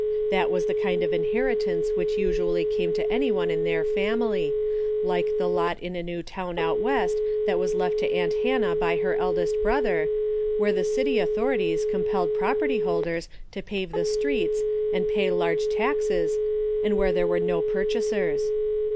That was the kind of inheritance which usually came to any one in their family, like the lot in a new town out west that was left to aunt Hannah by her eldest brother, where the city authorities com pelled property holders to pave the streets and pay large taxes and where there were no pur chasers.